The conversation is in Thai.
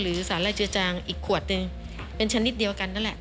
สารไล่เจือจางอีกขวดหนึ่งเป็นชนิดเดียวกันนั่นแหละ